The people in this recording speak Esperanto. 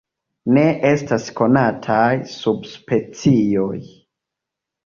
Ne estas konataj subspecioj.